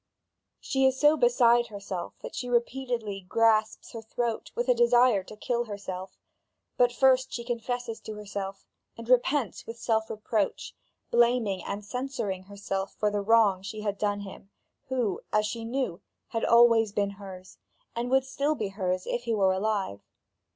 She is so beside herself that she repeatedly grasps her throat with the desire to kill herself; but first she confesses to herself, and repents with self reproach, blaming and censuring herself for the wrong she had done him, who, as she knew, had always been hers, and would still be hers, if he were alive.